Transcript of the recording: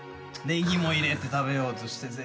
ネギも入れて食べようとして。